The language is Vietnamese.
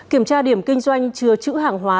kiểm tra điểm kinh doanh chừa chữ hàng hóa